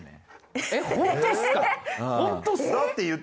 えっ